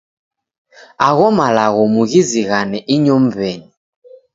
Agho malagho mughizighane inyow'eni.